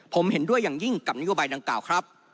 ผมเห็นด้วยอย่างยิ่งกับนโยบายดังกล่าวครับ